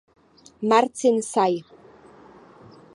Marcin Saj.